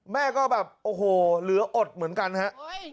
แม่ก็แบบโอ้โหเหลืออดเหมือนกันฮะ